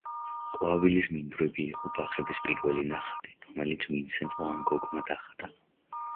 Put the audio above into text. ყვავილის მინდვრები იყო ბაღების პირველი ნახატი, რომელიც ვინსენტ ვან გოგმა დახატა.